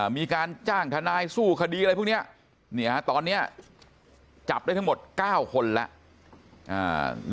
มีการจ้างทนายสู้คดีอะไรพวกนี้ตอนนี้จับได้ทั้งหมด๙คนแล้ว